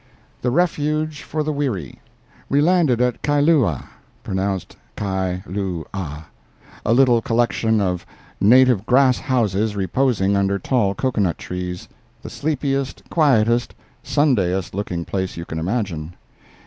THE REFUGE FOR THE WEARY We landed at Kailua (pronounced Ki loo ah), a little collection of native grass houses reposing under tall cocoa nut trees—the sleepiest, quietest, Sundayest looking place you can imagine.